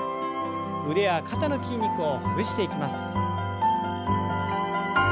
腕や肩の筋肉をほぐしていきます。